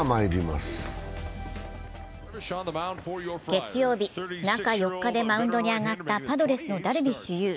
月曜日、中４日でマウンドに上がったパドレスのダルビッシュ有。